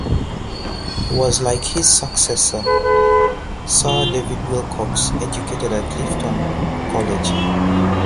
He was, like his successor Sir David Willcocks, educated at Clifton College.